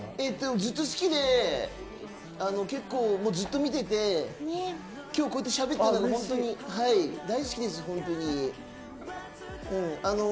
ずっと好きで結構ずっと見てて今日こうやってしゃべってるのが裸奈、緊張しちゃうね。